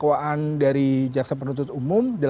dakwaan dari jaksa penuntut umum